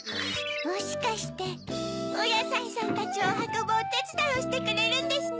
もしかしておやさいさんたちをはこぶおてつだいをしてくれるんですね？